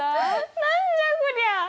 何じゃこりゃ。